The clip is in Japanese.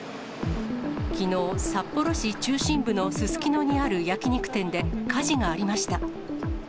きのう、札幌市中心部のすすきのにある焼き肉店で火事がありました。